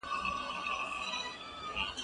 زه اوس پوښتنه کوم؟!